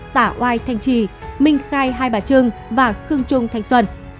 tả oai thanh trì minh khai hai bà trưng và khương trung thanh xuân